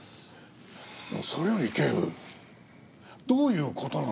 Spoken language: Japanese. それより警部どういう事なんですか？